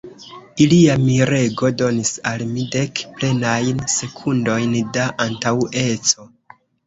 Ilia mirego donis al mi dek plenajn sekundojn da antaŭeco.